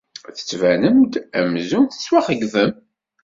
Tettbanem-d amzun yettwaxeyybem.